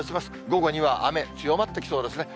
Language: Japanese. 午後には雨、強まってきそうですね。